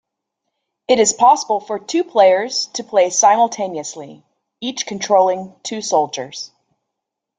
It is possible for two players to play simultaneously, each controlling two soldiers.